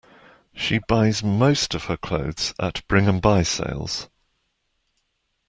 She buys most of her clothes at Bring and Buy sales